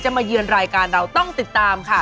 มาเยือนรายการเราต้องติดตามค่ะ